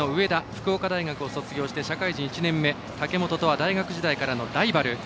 福岡大学を卒業して社会人１年目、武本とは大学時代からのライバル。